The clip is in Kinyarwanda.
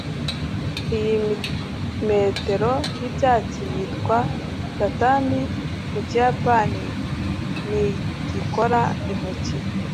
iyi matelo y'ibyatsi, yitwa tatami mu kiyapani, ntigikora intoki